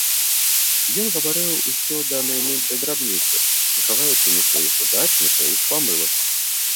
Ён гаварыў усё да найменшай драбніцы, не хаваючы ні сваіх удач, ні сваіх памылак.